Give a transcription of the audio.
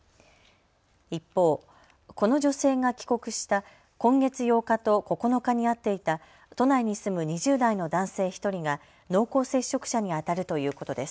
一方、この女性が帰国した今月８日と９日に会っていた都内に住む２０代の男性１人が濃厚接触者にあたるということです。